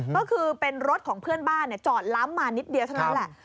ก็คือเป็นรถของเพื่อนบ้านจอดล้ำมานิดเดียวเท่านั้นแหละ